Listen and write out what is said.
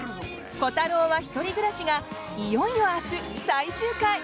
「コタローは一人暮らし」がいよいよ明日、最終回。